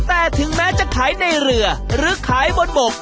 แต่ถึงแม้จะขายในเรือหรือขายบนบก